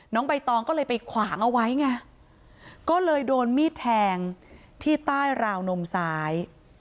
ใบตองก็เลยไปขวางเอาไว้ไงก็เลยโดนมีดแทงที่ใต้ราวนมซ้าย